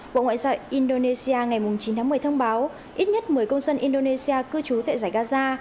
bộ ngoại giao indonesia ngày chín tháng một mươi thông báo ít nhất một mươi công dân indonesia cư trú tại giải gaza